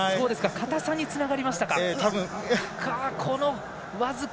硬さにつながりましたか。